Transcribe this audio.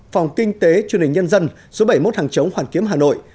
phòng kinh tế truyền hình nhân dân số bảy mươi một hàng chống hoàn kiếm hà nội